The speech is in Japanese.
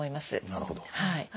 なるほど。